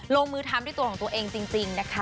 ลงมือทำด้วยตัวของตัวเองจริงนะคะ